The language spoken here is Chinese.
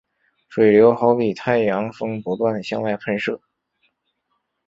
水流好比太阳风不断向外喷射。